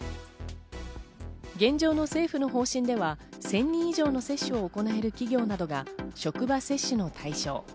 現状の政府の方針では１０００人以上の接種を行える企業などが職場接種の対象。